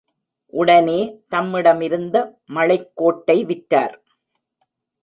உடனே, தம்மிடமிருந்த மழைக் கோட்டை விற்றார்.